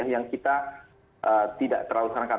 yang kita tidak terlalu sarankan